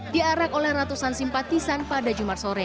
diarak oleh ratusan simpatisan pada jumat sore